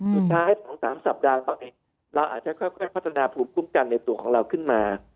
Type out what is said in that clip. สุดท้าย๒๓สัปดาห์เราเองเราอาจจะค่อยพัฒนาภูมิคุ้มกันในตัวของเราขึ้นมา